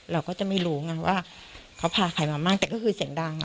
เราก็จะไม่รู้ไงว่าเขาพาใครมามั่งแต่ก็คือเสียงดัง